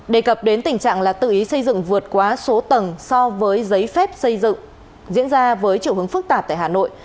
đề cập đến tình trạng là tự ý xây dựng vượt quá số tầng so với giấy phép xây dựng diễn ra với chiều hướng phức tạp tại hà nội